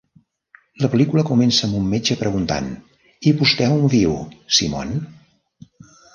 La pel·lícula comença amb un metge preguntant. I vostè on viu Simon?